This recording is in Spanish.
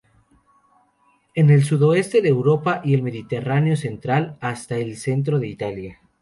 En el sudoeste de Europa y el Mediterráneo central hasta el centro de Italia.